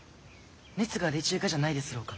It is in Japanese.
熱が出ちゅうがじゃないですろうか？